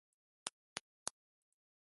では、グループの意見をまとめてください。